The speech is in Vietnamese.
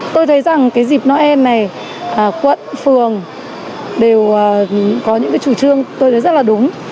tôi thấy rằng cái dịp noel này quận phường đều có những chủ trương tôi thấy rất là đúng